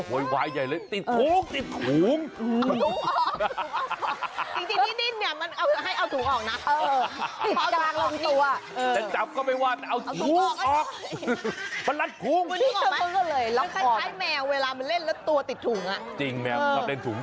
โหยใหญ่เลยติดถุงติดถุง